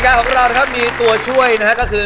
ก็ความตัวช่วยนะคือ